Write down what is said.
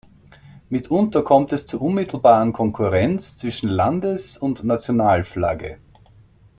Mitunter kommt es zur unmittelbaren Konkurrenz zwischen Landes- und Nationalflagge.